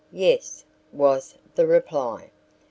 "Yes," was the reply.